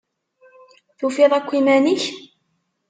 Tufiḍ akk iman-ik?